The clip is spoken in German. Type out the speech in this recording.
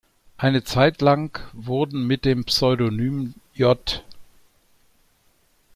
Eine Zeit lang wurden mit dem Pseudonym „J.